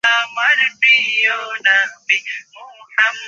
দূরের দল পছন্দ করলে আগে ফিল্ডিং করতে পারেন।